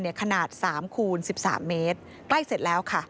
เนี่ยขนาดสามคูณสิบสามเมตรใกล้เสร็จแล้วค่ะ